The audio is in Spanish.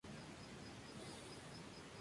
Se desconoce la suerte que pudiese correr.